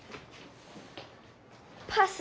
パス。